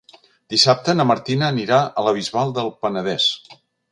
Dissabte na Martina anirà a la Bisbal del Penedès.